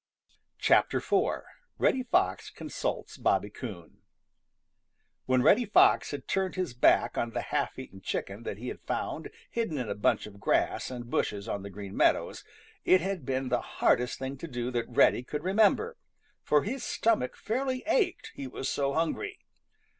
IV. REDDY FOX CONSULTS BOBBY COON |WHEN Reddy Fox had turned his back on the half eaten chicken that he had found hidden in a bunch of grass and bushes on the Green Meadows it had been the hardest thing to do that Reddy could remember, for his stomach fairly ached, he was so hungry.